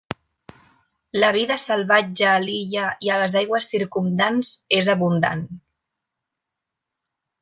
La vida salvatge a l'illa i a les aigües circumdants és abundant.